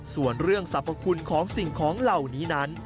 ส่วนเรื่องสรรพคุณของสิ่งของเหล่านี้นั้น